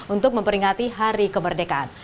untuk memperingati hari kemerdekaan